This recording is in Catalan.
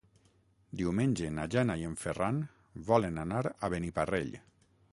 Diumenge na Jana i en Ferran volen anar a Beniparrell.